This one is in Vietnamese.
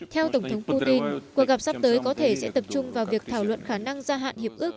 theo tổng thống putin cuộc gặp sắp tới có thể sẽ tập trung vào việc thảo luận khả năng gia hạn hiệp ước